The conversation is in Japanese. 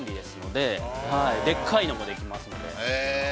でっかいのもできます。